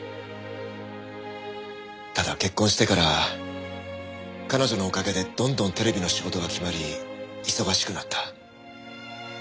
ただ結婚してから彼女のおかげでどんどんテレビの仕事が決まり忙しくなった。